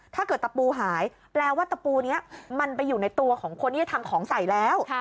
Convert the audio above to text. ตะปูหายแปลว่าตะปูนี้มันไปอยู่ในตัวของคนที่จะทำของใส่แล้ว